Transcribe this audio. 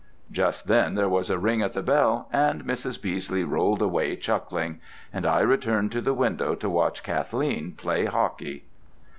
Just then there was a ring at the bell and Mrs. Beesley rolled away chuckling. And I returned to the window to watch Kathleen play hockey.